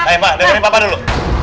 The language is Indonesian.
eh pak dari papa dulu